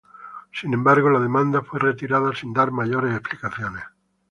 Sin embargo, la demanda fue retirada sin dar mayores explicaciones.